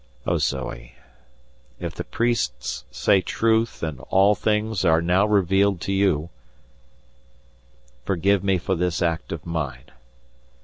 Oh, Zoe! if the priests say truth and all things are now revealed to you, forgive me for this act of mine.